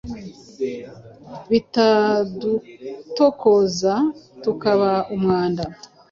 Bitadutokoza tukaba umwanda